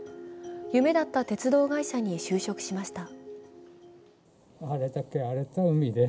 夢だった鉄道会社に就職しました。